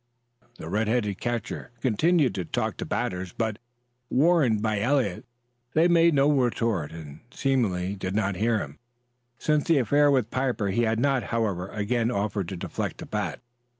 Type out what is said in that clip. The red headed catcher continued to talk to the batters, but, warned by Eliot, they made no retort, and, seemingly, did not hear him. Since the affair with Piper he had not, however, again offered to deflect a bat.